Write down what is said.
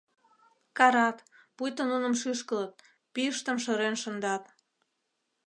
Карат, пуйто нуным шӱшкылыт, пӱйыштым шырен шындат!